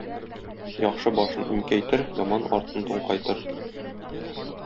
Яхшы башын иңкәйтер, яман артын туңкайтыр.